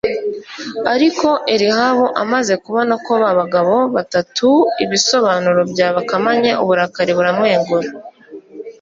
ariko elihu amaze kubona ko ba bagabo batatu ibisobanuro byabakamanye, uburakari buramwegura